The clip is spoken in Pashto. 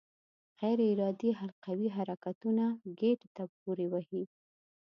غیر ارادي حلقوي حرکتونه ګېډې ته پورې وهي.